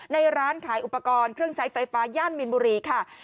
ในร้านขายอุปกรณ์เครื่องใช้ไฟฟ้าย่านมินบุรีค่ะ